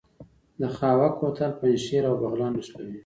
د خاوک کوتل پنجشیر او بغلان نښلوي